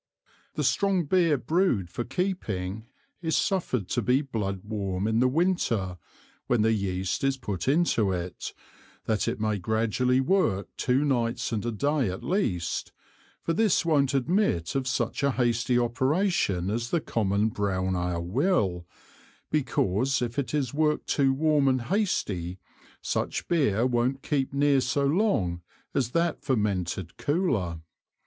The strong Beer brewed for keeping is suffered to be Blood warm in the Winter when the Yeast is put into it, that it may gradually work two Nights and a Day at least, for this won't admit of such a hasty Operation as the common brown Ale will, because if it is work'd too warm and hasty, such Beer won't keep near so long as that fermented cooler.